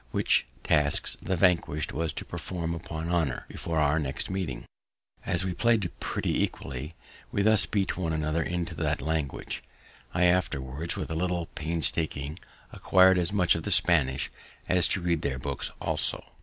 which tasks the vanquish'd was to perform upon honour, before our next meeting. As we play'd pretty equally, we thus beat one another into that language. I afterwards with a little painstaking, acquir'd as much of the Spanish as to read their books also.